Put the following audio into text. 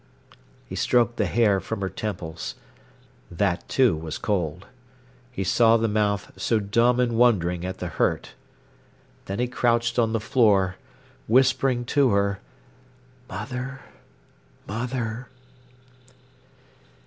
He stroked the hair from her temples. That, too, was cold. He saw the mouth so dumb and wondering at the hurt. Then he crouched on the floor, whispering to her: "Mother, mother!"